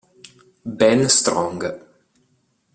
Ben Strong